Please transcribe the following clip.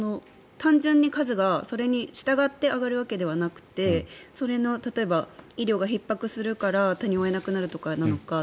単純に数がそれにしたがって上がるわけじゃなくて例えば医療がひっ迫するから手に負えなくなるからなのか。